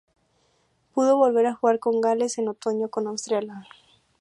Pudo volver a jugar con Gales en otoño con Australia.